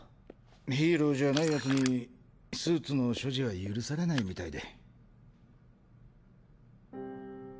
ヒーローじゃない奴にスーツの所持は許されないみたいで。